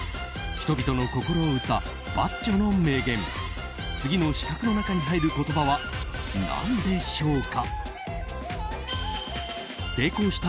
人々の心を打ったバッジョの名言次の四角の中に入る言葉は何でしょうか。